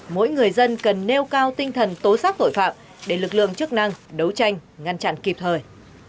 mỗi người dân cần nêu cao tinh thần tố xác tội phạm để lực lượng chức năng đấu tranh ngăn chặn kịp thời